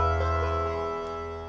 duit dari mana